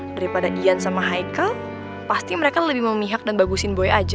daripada dian sama haikal pasti mereka lebih memihak dan bagusin buaya aja